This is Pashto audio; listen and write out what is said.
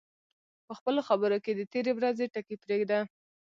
په خپلو خبرو کې د تېرې ورځې ټکي پرېږده